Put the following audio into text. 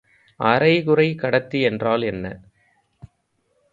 அரைகுறைக்கடத்தி என்றால் என்ன?